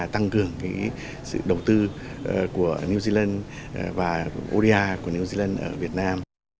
từ một một triệu tỷ